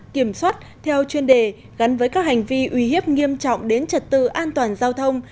kiểm soát theo chuyên đề gắn với các hành vi uy hiếp nghiêm trọng đến trật tự an toàn giao thông